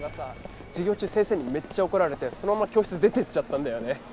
授業中先生にめっちゃ怒られてそのまま教室出てっちゃったんだよね。